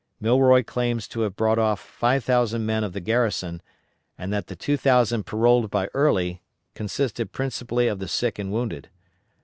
Milroy claims to have brought off 5,000 men of the garrison, and that the 2,000 paroled by Early, consisted principally of the sick and wounded.